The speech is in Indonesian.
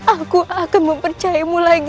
aku akan mempercayamu lagi